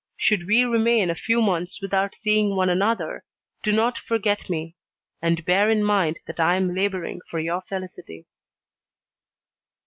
Should we remain a few months without seeing one another, do not forget me, and bear in mind that I am labouring for your felicity."